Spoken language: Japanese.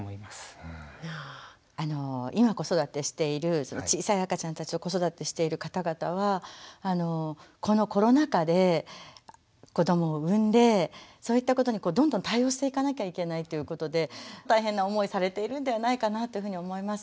今子育てしている小さい赤ちゃんたちを子育てしている方々はこのコロナ禍で子どもを産んでそういったことにどんどん対応していかなきゃいけないっていうことで大変な思いされているんではないかなというふうに思います。